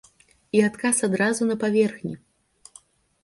І адказ адразу на паверхні.